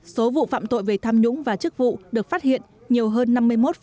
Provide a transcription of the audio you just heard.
số vụ phạm tội về tham nhũng và chức vụ được phát hiện nhiều hơn năm mươi một sáu mươi ba